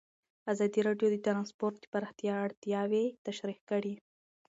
ازادي راډیو د ترانسپورټ د پراختیا اړتیاوې تشریح کړي.